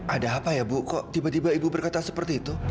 ada apa ya bu kok tiba tiba ibu berkata seperti itu